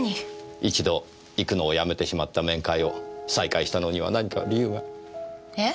一度行くのをやめてしまった面会を再開したのには何か理由が？えっ？